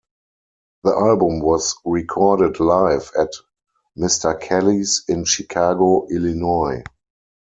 The album was recorded live at Mr. Kelly's in Chicago, Illinois.